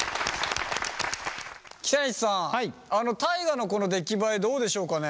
北西さん大我のこの出来栄えどうでしょうかね？